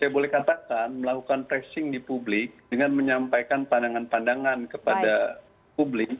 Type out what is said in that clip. saya boleh katakan melakukan tracing di publik dengan menyampaikan pandangan pandangan kepada publik